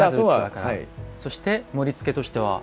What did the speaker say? そして盛りつけとしては？